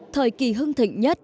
thời kỳ hưng thịnh nhất